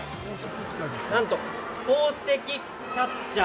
なんと宝石キャッチャー。